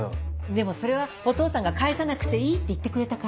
でもそれはお父さんが「返さなくていい」って言ってくれたから。